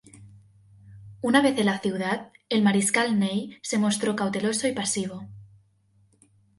Una vez en la ciudad, el Mariscal Ney se mostró cauteloso y pasivo.